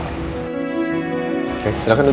oke silahkan duduk